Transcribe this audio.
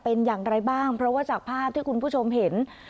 เป็นอย่างไรบ้างเพราะว่าจากภาพที่คุณผู้ชมเห็น